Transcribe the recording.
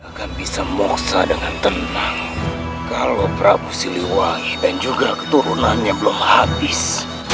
akan bisa mongsa dengan tenang kalau prabu siliwangi dan juga keturunannya belum habis